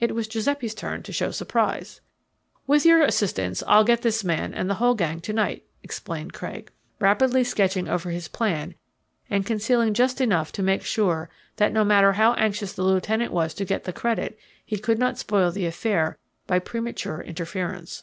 It was Giuseppe's turn to show surprise now. "With your assistance I'll get this man and the whole gang to night," explained Craig, rapidly sketching over his plan and concealing just enough to make sure that no matter how anxious the lieutenant was to get the credit he could not spoil the affair by premature interference.